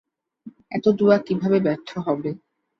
এত দুআ কিভাবে ব্যর্থ হবে?